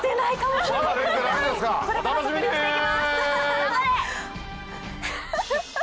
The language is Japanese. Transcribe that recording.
頑張れ！